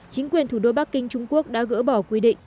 chính quyền thủ đô bắc kinh trung quốc đã gỡ bỏ quy định